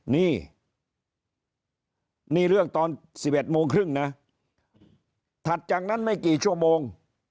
นี่นี่เรื่องตอน๑๑โมงครึ่งนะถัดจากนั้นไม่กี่ชั่วโมง